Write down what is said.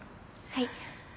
はい。